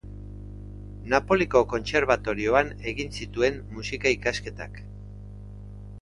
Napoliko kontserbatorioan egin zituen musika-ikasketak.